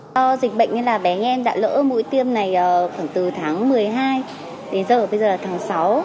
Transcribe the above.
do dịch bệnh nên là bé em đã lỡ mũi tiêm này khoảng từ tháng một mươi hai đến giờ bây giờ là tháng sáu